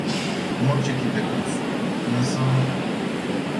Nu orice tip de consum, însă.